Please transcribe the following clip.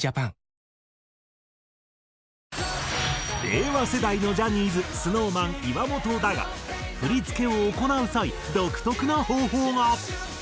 令和世代のジャニーズＳｎｏｗＭａｎ岩本だが振付を行う際独特な方法が！